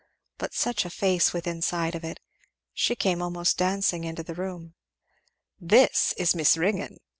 But such a face within side of it! She came almost dancing into the room. "This is Miss Ringgan!